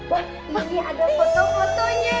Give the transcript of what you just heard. wah masih ada foto fotonya